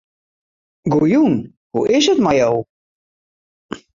Goejûn, hoe is 't mei jo?